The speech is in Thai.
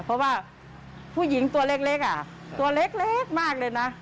เพราะว่าผู้หญิงตัวเล็กตัวเล็กมากเลยนะ